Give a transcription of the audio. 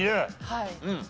はい。